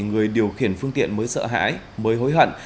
người điều khiển phương tiện mới sợ hãi mới hối hận